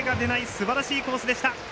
すばらしいコースでした。